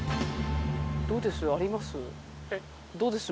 どうです？